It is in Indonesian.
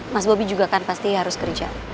mas bobi juga kan pasti harus kerja